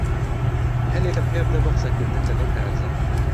ھەلێکم پێبدە بۆ قسەکردن لەگەڵ کارزان.